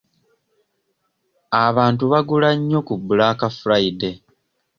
Abantu bagula nnyo ku Black Friday.